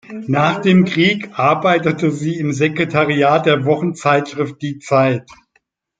Nach dem Krieg arbeitete sie im Sekretariat der Wochenzeitschrift Die Zeit.